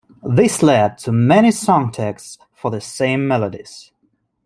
This led to many songtexts for the same melodies.